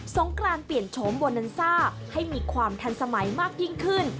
งกรานเปลี่ยนโฉมโบนันซ่าให้มีความทันสมัยมากยิ่งขึ้น